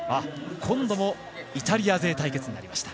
今度もイタリア勢対決です。